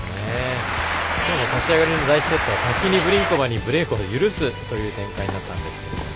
きょうの立ち上がりの第１セットも先にブリンコバにブレークを許す展開だったんですが。